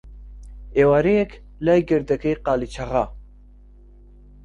ئێوارەیەک، لای گردەکەی قالیچاغا،